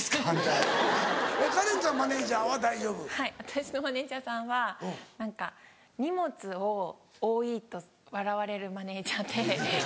はい私のマネジャーさんは何か荷物を多いと笑われるマネジャーで。